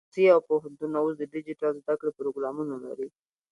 ښوونځي او پوهنتونونه اوس د ډیجیټل زده کړې پروګرامونه لري.